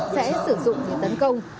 sẽ sử dụng những tấn công